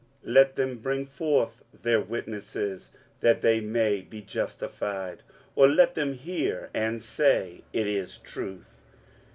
let them bring forth their witnesses, that they may be justified: or let them hear, and say, It is truth.